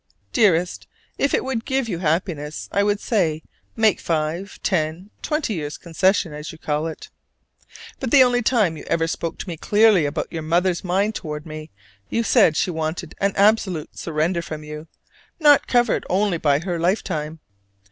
Dearest, if it would give you happiness, I would say, make five, ten, twenty years' "concession," as you call it. But the only time you ever spoke to me clearly about your mother's mind toward me, you said she wanted an absolute surrender from you, not covered only by her lifetime.